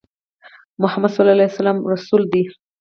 محمد صلی الله عليه وسلم د الله رسول دی